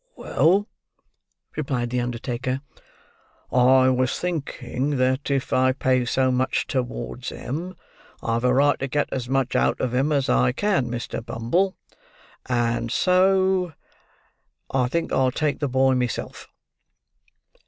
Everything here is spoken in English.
"Well," replied the undertaker, "I was thinking that if I pay so much towards 'em, I've a right to get as much out of 'em as I can, Mr. Bumble; and so—I think I'll take the boy myself."